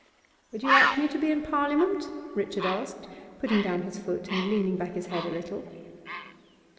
'Would you like me to be in Parliament?' Richard asked, putting down his foot and leaning back his head a little.